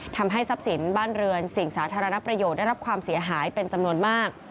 ทำให้ทรัพย์สินบ้านเรือนสิ่งสาธารณประโยชน์ได้รับความเสียหายเป็นจำนวนมาก